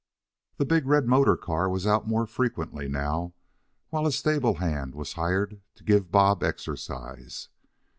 The big red motor car was out more frequently now, while a stable hand was hired to give Bob exercise.